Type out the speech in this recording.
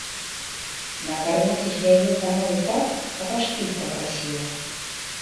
Накарміце ж яе самую так, каб аж піць папрасіла!